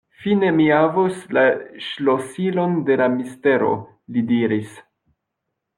Fine mi havos la ŝlosilon de la mistero, li diris.